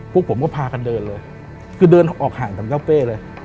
พวกผมก็พากันเดินเลยคือเดินออกห่างกับเจ้าเป้เลย